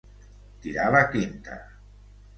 Tirar la quinta.